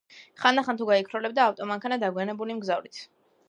ხანდახან თუ გაიქროლებდა ავტომანქანა დაგვიანებული მგზავრით.